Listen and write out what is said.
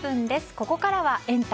ここからはエンタ！